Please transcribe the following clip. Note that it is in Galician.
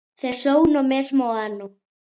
Cesou no mesmo ano.